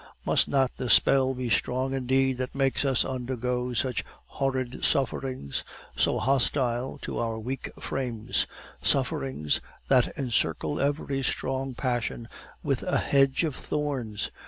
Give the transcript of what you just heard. Must not the spell be strong indeed that makes us undergo such horrid sufferings so hostile to our weak frames, sufferings that encircle every strong passion with a hedge of thorns?